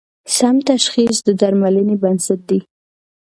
سم تشخیص د درملنې بنسټ دی.